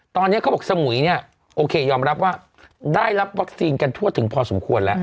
ตอนนี้เขาบอกสมุยเนี่ยโอเคยอมรับว่าได้รับวัคซีนกันทั่วถึงพอสมควรแล้ว